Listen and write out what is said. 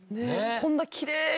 こんなきれいに。